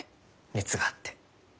熱があって。